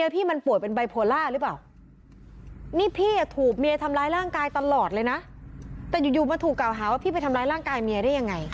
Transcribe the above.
แต่อยู่มันถูกกล่าวหาว่าพี่ไปทำร้ายร่างกายเมียได้ยังไง